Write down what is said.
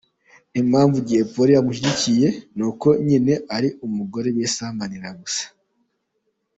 Impamvu Jay Polly amushyigikiye, nuko nyine ari umugore bisambanira gusa.